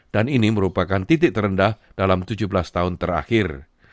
dan ini merupakan titik terendah dalam tujuh belas tahun terakhir